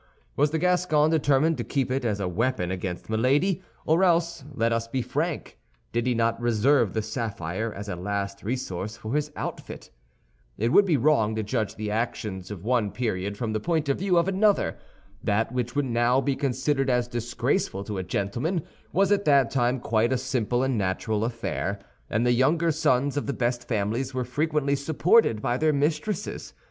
Was the Gascon determined to keep it as a weapon against Milady, or else, let us be frank, did he not reserve the sapphire as a last resource for his outfit? It would be wrong to judge the actions of one period from the point of view of another. That which would now be considered as disgraceful to a gentleman was at that time quite a simple and natural affair, and the younger sons of the best families were frequently supported by their mistresses.